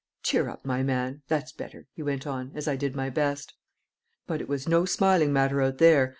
"Cheer up, my man; that's better," he went on, as I did my best. "But it was no smiling matter out there.